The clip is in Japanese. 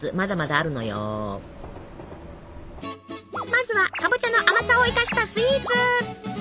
まずはかぼちゃの甘さを生かしたスイーツ。